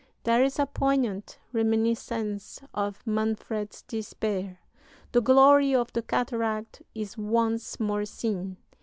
There is a poignant reminiscence of Manfred's despair. "The glory of the cataract is once more seen.